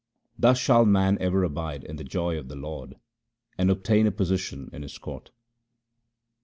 Thus shall man ever abide in the joy of the Lord, and obtain a position in His court.